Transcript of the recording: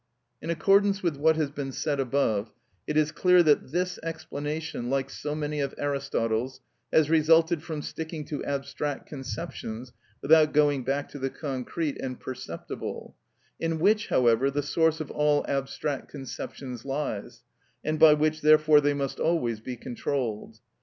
In accordance with what has been said above, it is clear that this explanation, like so many of Aristotle's, has resulted from sticking to abstract conceptions without going back to the concrete and perceptible, in which, however, the source of all abstract conceptions lies, and by which therefore they must always be controlled.